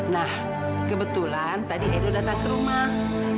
nah kebetulan tadi edo datang ke rumah